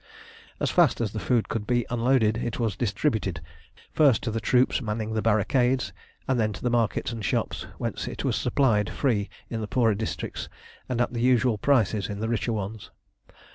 As fast as the food could be unloaded it was distributed first to the troops manning the barricades, and then to the markets and shops, whence it was supplied free in the poorer districts, and at the usual prices in the richer ones.